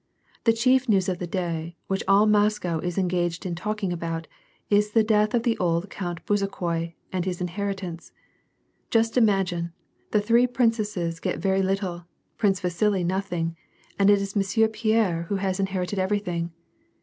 "The chief news of the day, which all Moscow is engaged in talking about, is the death of the old Count Bezukhoi and his inheritance. Just imagine : the three princesses get very lit tle. Prince Vasili, nothing, and it is Monsieur Pierre who has inherited everything.